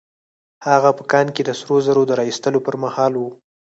هغه په کان کې د سرو زرو د را ايستلو پر مهال وه.